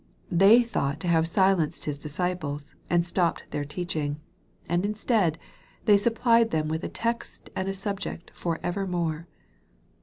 They thought to have silenced His disciples, and stopped their teaching : and instead, they supplied them with a text and a subject for evermore.